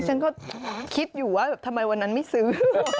ฉันก็คิดอยู่ว่าแบบทำไมวันนั้นไม่ซื้อ